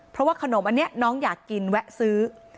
เพราะว่าขนมอันนี้น้องอยากกินแวะซื้อ